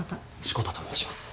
志子田と申します。